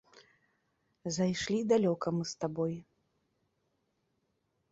Зайшлі далёка мы з табой.